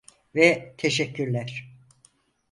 Ve teşekkürler.